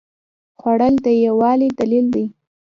خوړل د یووالي دلیل دی